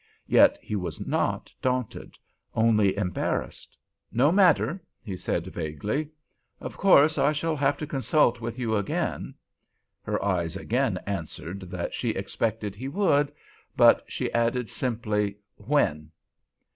Yet he was not daunted, only embarrassed. "No matter," he said, vaguely. "Of course I shall have to consult with you again." Her eyes again answered that she expected he would, but she added, simply, "When?"